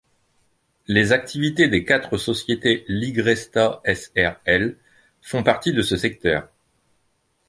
Les activités des quatre sociétés Ligresta Srl font partie de ce secteur.